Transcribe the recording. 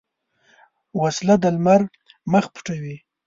وسله د لمر مخ پټوي